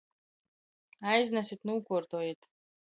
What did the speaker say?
Aiznesit, nūkuortojit.